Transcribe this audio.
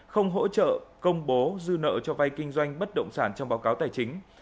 không hỗ trợ công bố dư nợ cho vay kinh doanh bất động sản trong báo cáo tài chính